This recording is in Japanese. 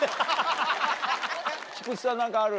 菊地さん何かある？